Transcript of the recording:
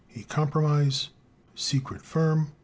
A Compromise. Secret Firm.